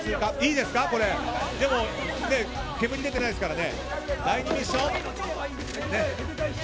でも煙出てないですからね。